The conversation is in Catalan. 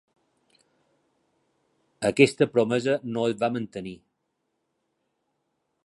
Aquesta promesa no es va mantenir.